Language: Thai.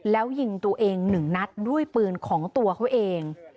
แล้วยิงตัวเองหนึ่งนัดด้วยปืนของตัวเขาเอง